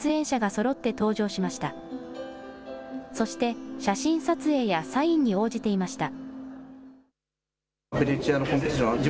そして写真撮影やサインに応じていました。